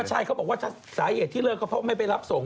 ใช่เขาบอกว่าสาเหตุที่เลิกก็เพราะไม่ไปรับส่ง